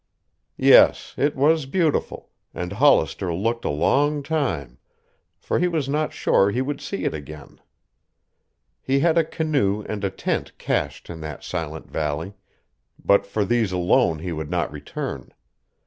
Yes, it was beautiful and Hollister looked a long time, for he was not sure he would see it again. He had a canoe and a tent cached in that silent valley, but for these alone he would not return.